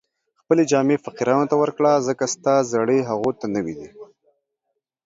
خپلې جامې فقیرانو ته ورکړه، ځکه ستا زړې هغو ته نوې دي